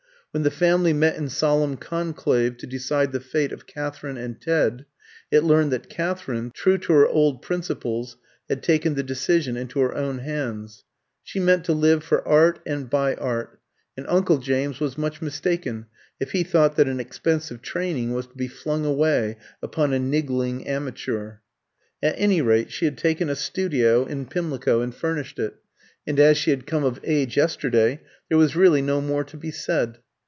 When the family met in solemn conclave to decide the fate of Katherine and Ted, it learned that Katherine, true to her old principles, had taken the decision into her own hands. She meant to live for art and by art, and Uncle James was much mistaken if he thought that an expensive training was to be flung away upon a "niggling amateur." At any rate, she had taken a studio in Pimlico and furnished it, and as she had come of age yesterday, there was really no more to be said.